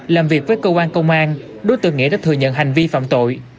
làm việc với cơ quan công an đối tượng nghĩa đã thừa nhận hành vi phạm tội